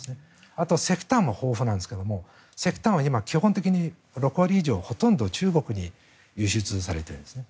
あと、石炭も豊富なんですが石炭は基本的に６割以上中国に輸出されているんです。